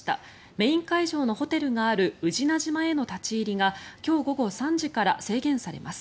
メイン会場のホテルがある宇品島への立ち入りが今日午後３時から制限されます。